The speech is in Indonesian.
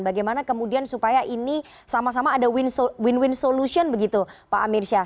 bagaimana kemudian supaya ini sama sama ada win win solution begitu pak amir syah